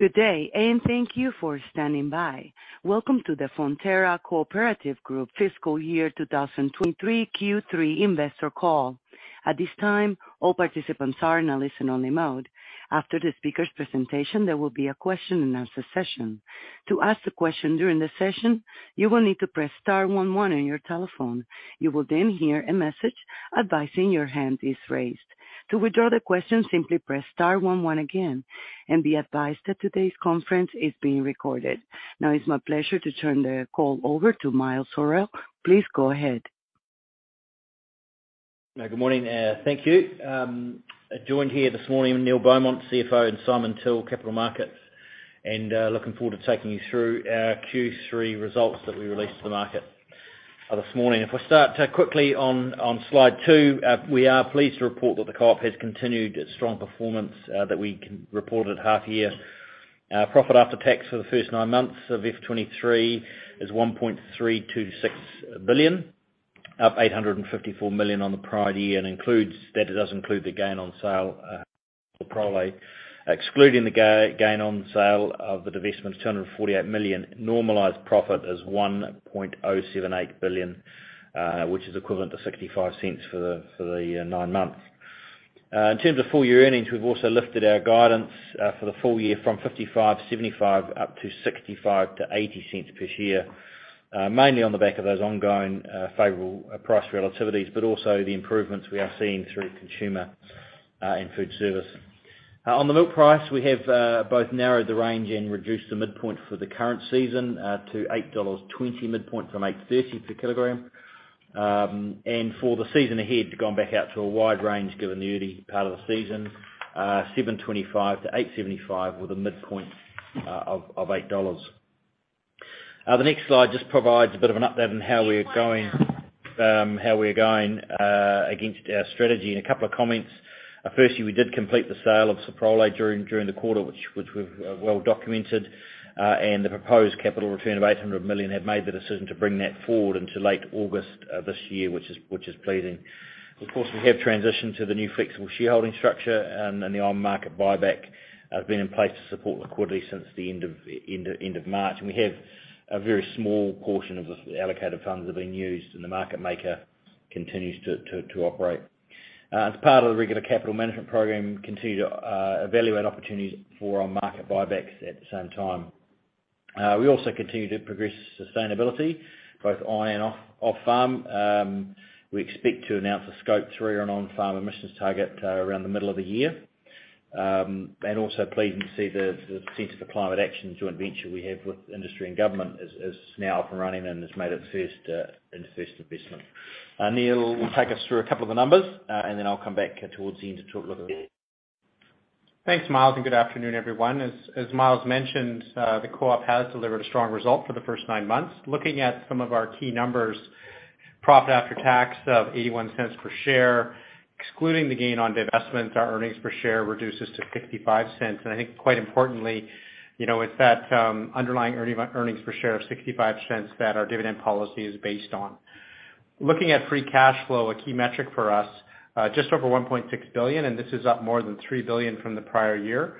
Good day, and thank you for standing by. Welcome to the Fonterra Co-operative Group fiscal year 2023, Q3 investor call. At this time, all participants are in a listen-only mode. After the speaker's presentation, there will be a question and answer session. To ask a question during the session, you will need to press star 11 on your telephone. You will then hear a message advising your hand is raised. To withdraw the question, simply press star 11 again. Be advised that today's conference is being recorded. Now it's my pleasure to turn the call over to Miles Hurrell. Please go ahead. Good morning. Thank you. I'm joined here this morning with Neil Beaumont, CFO, and Simon Till, Capital Markets, looking forward to taking you through our Q3 results that we released to the market this morning. If we start quickly on slide two, we are pleased to report that the co-op has continued its strong performance that we reported half year. Our profit after tax for the first nine months of FY 2023 is 1.326 billion, up 854 million on the prior year, and includes, that does include the gain on sale, Soprole. Excluding the gain on sale of the divestment of 248 million, normalized profit is 1.078 billion, which is equivalent to 0.65 for the nine months. In terms of full year earnings, we've also lifted our guidance for the full year from 0.55-0.75, up to 0.65-0.80 per share, mainly on the back of those ongoing favorable price relativities, also the improvements we are seeing through consumer and food service. On the milk price, we have both narrowed the range and reduced the midpoint for the current season to 8.20 dollars midpoint from 8.30 per kg. For the season ahead, gone back out to a wide range given the early part of the season, 7.25-8.75 with a midpoint of 8.00 dollars. The next slide just provides a bit of an update on how we're going, how we're going against our strategy. A couple of comments. Firstly, we did complete the sale of Soprole during the quarter, which we've well documented, and the proposed capital return of 800 million have made the decision to bring that forward into late August this year, which is pleasing. Of course, we have transitioned to the new Flexible Shareholding structure and the on-market buyback has been in place to support liquidity since the end of March. We have a very small portion of the allocated funds have been used, and the market maker continues to operate. As part of the regular capital management program, continue to evaluate opportunities for our market buybacks at the same time. We also continue to progress sustainability both on and off-farm. We expect to announce a Scope 3 and on-farm emissions target around the middle of the year. Also pleased to see the Centre for Climate Action joint venture we have with industry and government is now up and running and has made its first investment. Neil will take us through a couple of the numbers, then I'll come back towards the end to talk a little bit. Thanks, Miles. Good afternoon, everyone. As Miles mentioned, the co-op has delivered a strong result for the first nine months. Looking at some of our key numbers, profit after tax of 0.81 per share. Excluding the gain on divestment, our earnings per share reduces to 0.65. I think quite importantly, you know, it's that underlying earnings per share of 0.65 that our dividend policy is based on. Looking at free cash flow, a key metric for us, just over 1.6 billion, and this is up more than 3 billion from the prior year.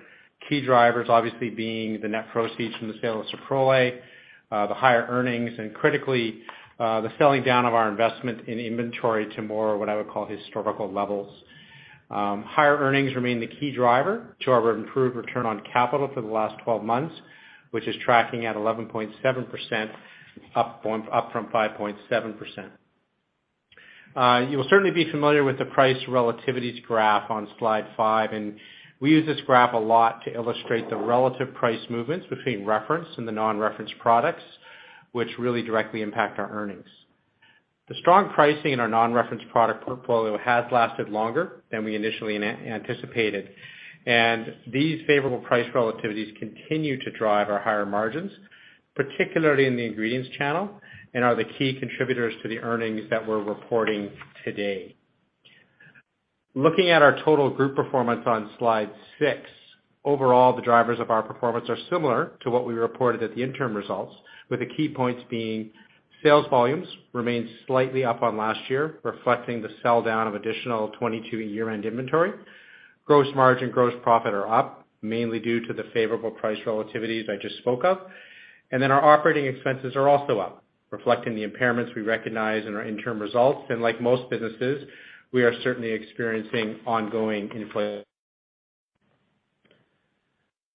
Key drivers obviously being the net proceeds from the sale of Soprole, the higher earnings, and critically, the selling down of our investment in inventory to more what I would call historical levels. Higher earnings remain the key driver to our improved Return on Capital for the last 12 months, which is tracking at 11.7% up from 5.7%. You will certainly be familiar with the price relativities graph on slide five, and we use this graph a lot to illustrate the relative price movements between Reference and non-reference products, which really directly impact our earnings. The strong pricing in our non-reference product portfolio has lasted longer than we initially anticipated, and these favorable price relativities continue to drive our higher margins, particularly in the ingredients channel, and are the key contributors to the earnings that we're reporting today. Looking at our total group performance on slide six. Overall, the drivers of our performance are similar to what we reported at the interim results, with the key points being sales volumes remain slightly up on last year, reflecting the sell-down of additional 22 year-end inventory. Gross margin, gross profit are up, mainly due to the favorable price relativities I just spoke of. Our operating expenses are also up, reflecting the impairments we recognize in our interim results. Like most businesses, we are certainly experiencing ongoing inflation.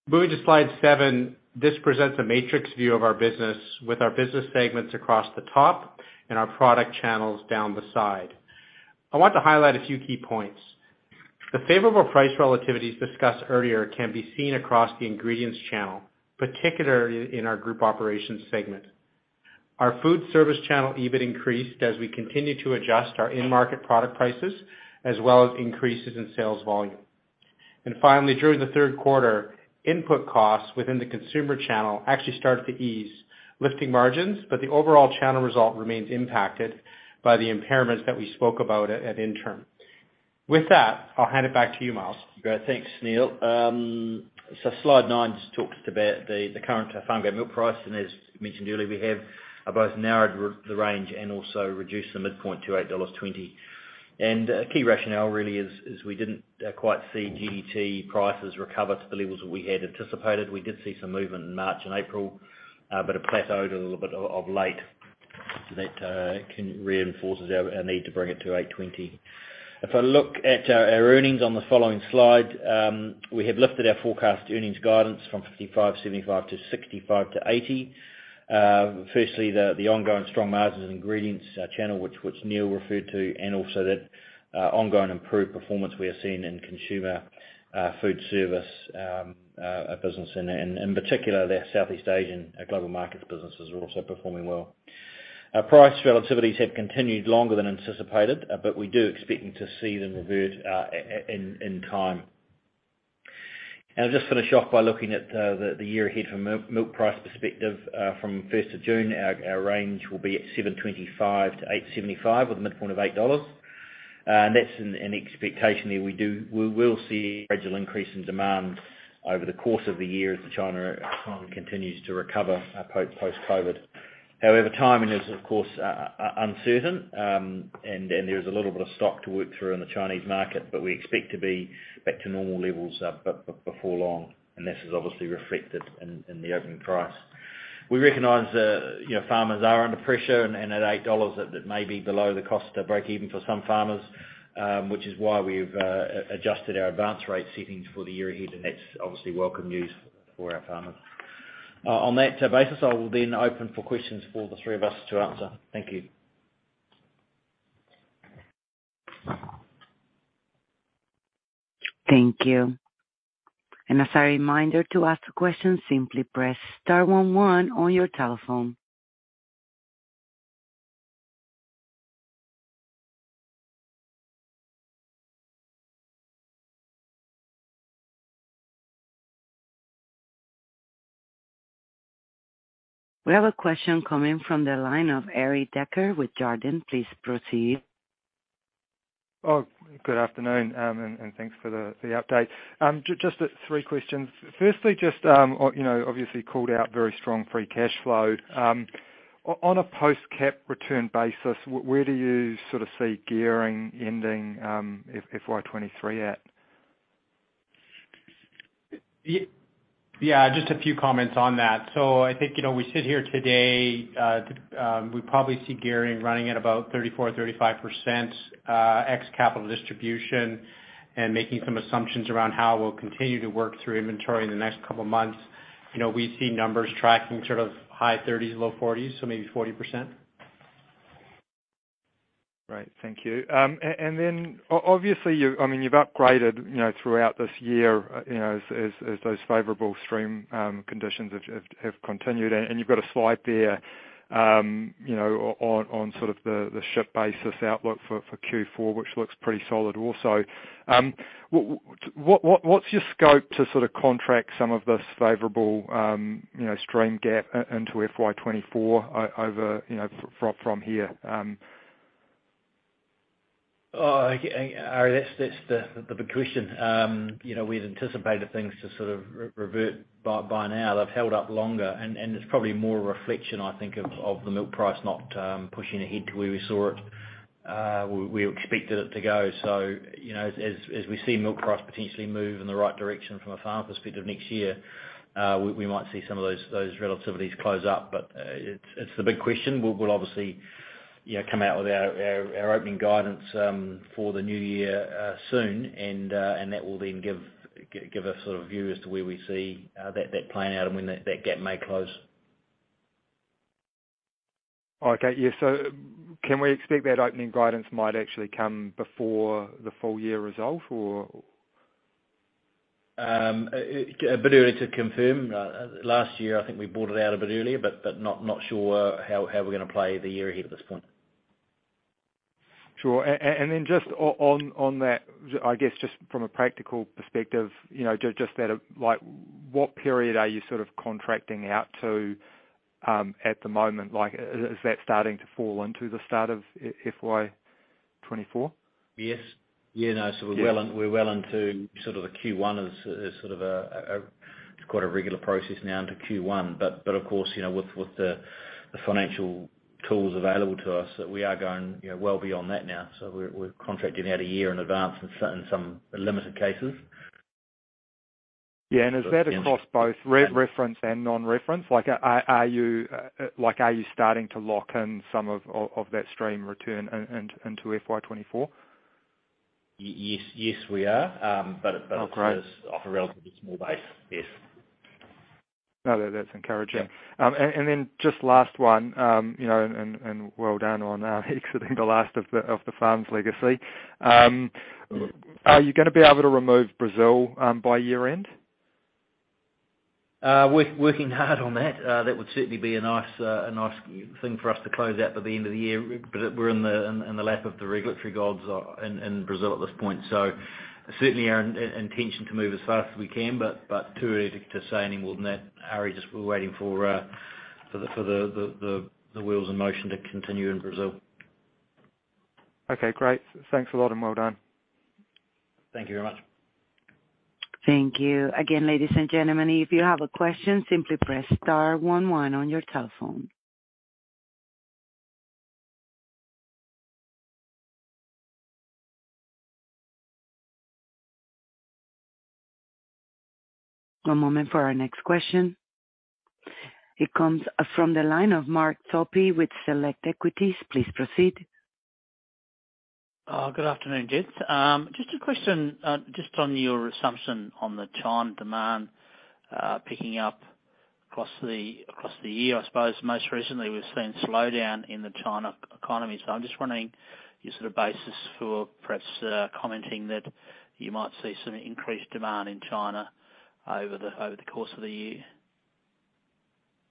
Moving to slide eight, this presents a matrix view of our business with our business segments across the top and our product channels down the side. I want to highlight a few key points. The favorable price relativities discussed earlier can be seen across the ingredients channel, particularly in our group operations segment. Our food service channel EBIT increased as we continued to adjust our in-market product prices as well as increases in sales volume. Finally, during the third quarter, input costs within the consumer channel actually started to ease lifting margins, but the overall channel result remains impacted by the impairments that we spoke about at interim. With that, I'll hand it back to you, Miles. Great. Thanks, Neil. Slide nine just talks about the current Farmgate Milk Price. As mentioned earlier, we have both narrowed the range and also reduced the midpoint to 8.20 dollars. A key rationale really is we didn't quite see GDT prices recover to the levels that we had anticipated. We did see some movement in March and April, it plateaued a little bit of late. That reinforces our need to bring it to 8.20. If I look at our earnings on the following slide, we have lifted our forecast earnings guidance from 0.55-0.75 to 0.65-0.80. Firstly, the ongoing strong margins and ingredients channel which Neil referred to, also that ongoing improved performance we are seeing in Consumer Food Service business. In particular, the Southeast Asian global markets businesses are also performing well. Our price relativities have continued longer than anticipated, but we do expect to see them revert in time. I'll just finish off by looking at the year ahead from milk price perspective. From 1st of June, our range will be at 7.25-8.75, with a midpoint of 8.00 dollars. That's an expectation there. We will see gradual increase in demand over the course of the year as the China economy continues to recover post-COVID. However, timing is, of course, uncertain, and there is a little bit of stock to work through in the Chinese market. We expect to be back to normal levels before long. This is obviously reflected in the opening price. We recognize, you know, farmers are under pressure and at 8 dollars that may be below the cost of breakeven for some farmers, which is why we've adjusted our Advance Rate settings for the year ahead. That's obviously welcome news for our farmers. On that basis, I will then open for questions for the three of us to answer. Thank you. Thank you. As a reminder, to ask a question, simply press star one one on your telephone. We have a question coming from the line of Arie Dekker with Jarden. Please proceed. Oh, good afternoon, and thanks for the update. Just three questions. Firstly, just, you know, obviously called out very strong free cash flow. On a post-cap return basis, where do you sort of see gearing ending, FY2023 at? Yeah, just a few comments on that. I think, you know, we sit here today, we probably see gearing running at about 34%-35% ex capital distribution. Making some assumptions around how we'll continue to work through inventory in the next couple of months. You know, we see numbers tracking sort of high 30s, low 40s, so maybe 40%. Right. Thank you. I mean, you've upgraded, you know, throughout this year, you know, as those favorable pricing conditions have continued. You've got a slide there, you know, on sort of the price basis outlook for Q4, which looks pretty solid also. What's your scope to sort of contract some of this favorable, you know, price gap into FY2024 over, you know, from here? Arie, that's the big question. you know, we'd anticipated things to sort of revert by now. They've held up longer and it's probably more a reflection, I think, of the milk price not pushing ahead the way we saw it, we expected it to go. you know, as we see milk price potentially move in the right direction from a farm perspective next year, we might see some of those relativities close up. It's the big question. We'll obviously, you know, come out with our opening guidance for the new year soon and that will then give a sort of view as to where we see that playing out and when that gap may close. Okay. Yeah. Can we expect that opening guidance might actually come before the full year result or? A bit early to confirm. Last year, I think we brought it out a bit earlier, but not sure how we're gonna play the year ahead at this point. Sure. And then just on that, I guess just from a practical perspective, you know, just at, like, what period are you sort of contracting out to at the moment? Like, is that starting to fall into the start of FY2024? Yes. You know, we're well. Yeah. We're well into sort of the Q1 is sort of a. It's quite a regular process now into Q1. Of course, you know, with the financial tools available to us that we are going, you know, well beyond that now. We're contracting out one year in advance in some limited cases. Yeah. Yes. Is that across both Reference and non-reference? Like, are you, like, are you starting to lock in some of that stream return into FY2024? Yes, yes, we are. Oh, great. It is off a relatively small base. Yes. No, that's encouraging. Just last one, you know, well done on exiting the last of the farms legacy. Are you gonna be able to remove Brazil by year-end? Working hard on that. That would certainly be a nice, a nice thing for us to close out by the end of the year. We're in the lap of the regulatory gods in Brazil at this point. Certainly our intention to move as fast as we can, but too early to say any more than that, Arie. Just we're waiting for the wheels in motion to continue in Brazil. Okay, great. Thanks a lot. Well done. Thank you very much. Thank you. Again, ladies and gentlemen, if you have a question, simply press star one one on your telephone. One moment for our next question. It comes from the line of Mark Topy with Select Equities. Please proceed. Good afternoon, gents. Just a question, just on your assumption on the China demand, picking up across the year. I suppose most recently we've seen slowdown in the China economy. I'm just wondering your sort of basis for perhaps commenting that you might see some increased demand in China over the course of the year?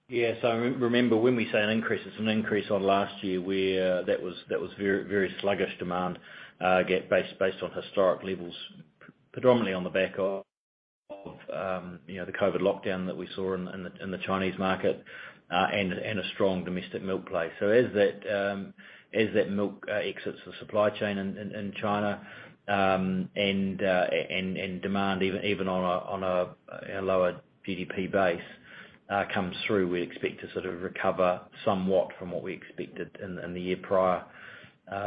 Yeah. Remember, when we say an increase, it's an increase on last year, where that was very, very sluggish demand, based on historic levels, predominantly on the back of, you know, the COVID lockdown that we saw in the Chinese market, and a strong domestic milk play. As that milk exits the supply chain in China, and demand even on a lower GDP base comes through, we expect to sort of recover somewhat from what we expected in the year prior.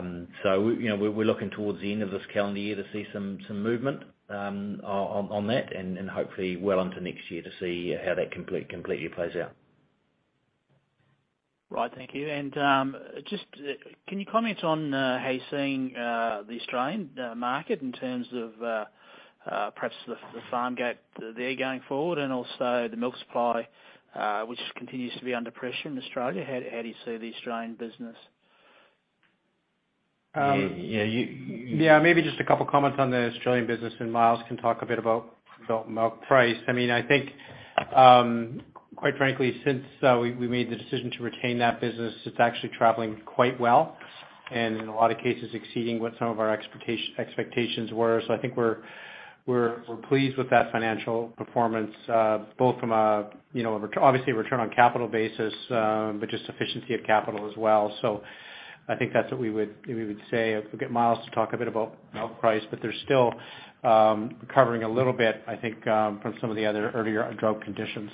We, you know, we're looking towards the end of this calendar year to see some movement on that and hopefully well into next year to see how that completely plays out. Right. Thank you. Can you comment on how you're seeing the Australian market in terms of perhaps the farm gate there going forward and also the milk supply, which continues to be under pressure in Australia? How do you see the Australian business? Yeah. Yeah, maybe just a couple comments on the Australian business and Miles can talk a bit about milk price. I mean, I think, quite frankly, since we made the decision to retain that business, it's actually traveling quite well and in a lot of cases exceeding what some of our expectations were. I think we're pleased with that financial performance, both from a, you know, obviously a Return on Capital basis, but just efficiency of capital as well. I think that's what we would say. We'll get Miles to talk a bit about milk price, they're still recovering a little bit, I think, from some of the other earlier drought conditions.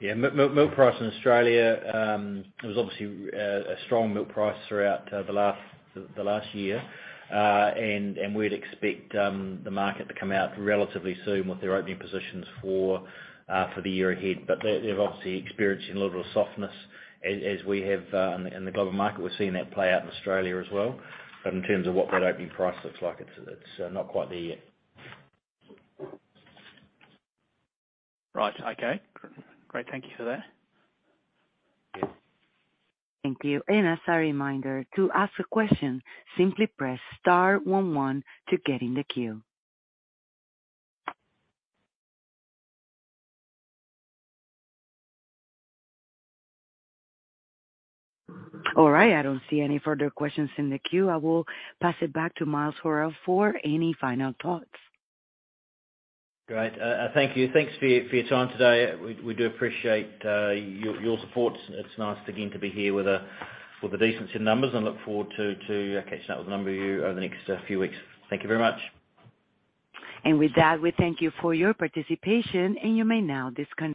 Milk price in Australia, there was obviously a strong milk price throughout the last year. We'd expect the market to come out relatively soon with their opening positions for the year ahead. They're obviously experiencing a little softness as we have in the global market. We're seeing that play out in Australia as well. In terms of what that opening price looks like, it's not quite there yet. Right. Okay. Great. Thank you for that. Thank you. As a reminder, to ask a question, simply press star one one to get in the queue. All right. I don't see any further questions in the queue. I will pass it back to Miles Hurrell for any final thoughts. Great. Thank you. Thanks for your time today. We do appreciate your support. It's nice again to be here with a decency in numbers and look forward to catching up with a number of you over the next few weeks. Thank you very much. With that, we thank you for your participation, and you may now disconnect.